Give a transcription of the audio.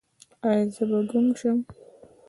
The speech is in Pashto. ایا زه به ګونګ شم؟